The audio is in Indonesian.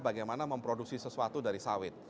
bagaimana memproduksi sesuatu dari sawit